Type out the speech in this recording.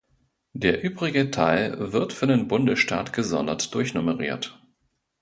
Der übrige Teil wird für den Bundesstaat gesondert durchnummeriert.